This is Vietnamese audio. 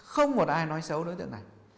không một ai nói xấu đối tượng này